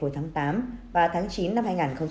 hồi tháng tám và tháng chín năm hai nghìn hai mươi một